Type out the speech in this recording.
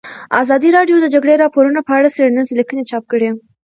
ازادي راډیو د د جګړې راپورونه په اړه څېړنیزې لیکنې چاپ کړي.